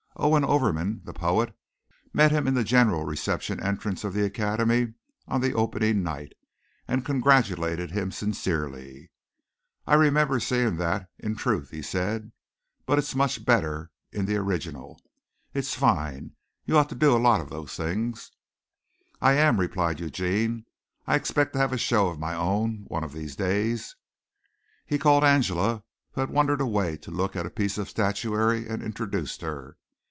Owen Overman, the poet, met him in the general reception entrance of the Academy on the opening night, and congratulated him sincerely. "I remember seeing that in Truth," he said, "but it's much better in the original. It's fine. You ought to do a lot of those things." "I am," replied Eugene. "I expect to have a show of my own one of these days." He called Angela, who had wandered away to look at a piece of statuary, and introduced her.